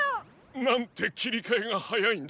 なんてきりかえがはやいんだ。